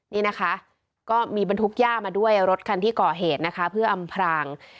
นี่นะคะก็มีบรรทุกย่ามาด้วยรถคันที่ก่อเหตุนะคะเพื่ออำพราง